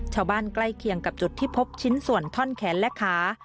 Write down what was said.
ใกล้เคียงกับจุดที่พบชิ้นส่วนท่อนแขนและขา